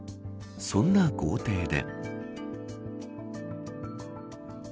そんな豪邸で。